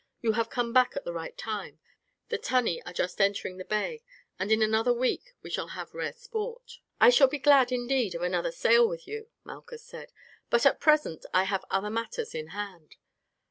You have come back at the right time. The tunny are just entering the bay, and in another week we shall have rare sport." "I shall be glad, indeed, of another sail with you," Malchus said; "but at present I have other matters in hand.